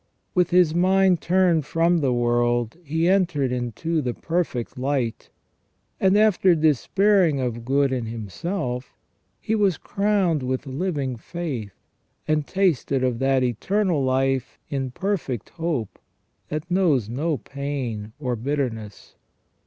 With his mind turned from the world he entered into the perfect light; and after despairing of good in himself, he was crowned with living faith, and tasted of that eternal life in perfect hope that knows no pain or bitterness.